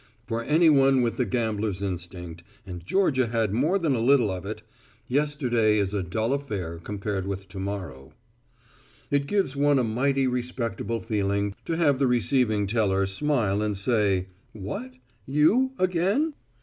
For anyone with the gambler's instinct, and Georgia had more than a little of it, yesterday is a dull affair compared with to morrow. It gives one a mighty respectable feeling to have the receiving teller smile and say, "What you again?"